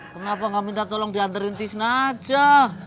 kenapa gak minta tolong diantarin tisna aja